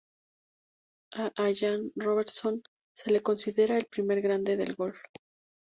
A Allan Robertson se le considera el primer "grande" del golf.